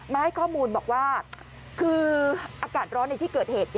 มาให้ข้อมูลบอกว่าคืออากาศร้อนในที่เกิดเหตุ